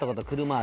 あ